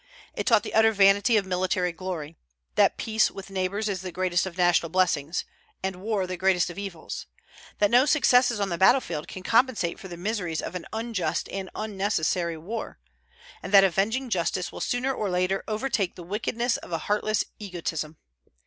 It taught the utter vanity of military glory; that peace with neighbors is the greatest of national blessings, and war the greatest of evils; that no successes on the battlefield can compensate for the miseries of an unjust and unnecessary war; and that avenging justice will sooner or later overtake the wickedness of a heartless egotism.